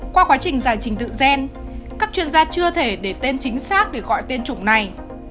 qua quá trình giải trình tự gen các chuyên gia chưa thể để tên chính xác để gọi tên chủng này